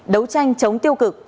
đấu tranh chống tiêu cực